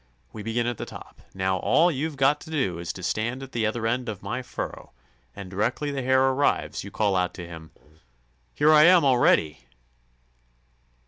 We begin at the top. Now, all you've got to do is to stand at the other end of my furrow, and directly the Hare arrives, you call out to him: "'Here I am already!